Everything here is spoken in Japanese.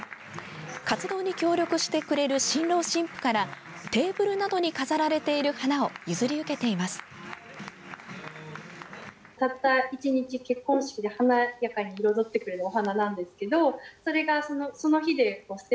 活動に協力してくれる新郎・新婦からテーブルなどに飾られている花を譲り受けています。